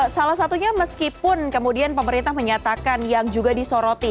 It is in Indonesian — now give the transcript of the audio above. salah satunya meskipun kemudian pemerintah menyatakan yang juga disoroti